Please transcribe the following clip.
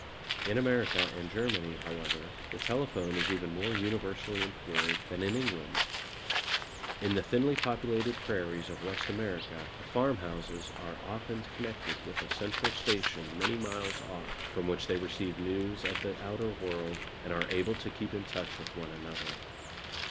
In America and Germany, however, the telephone is even more universally employed than in England. In the thinly populated prairies of West America the farm houses are often connected with a central station many miles off, from which they receive news of the outer world and are able to keep in touch with one another.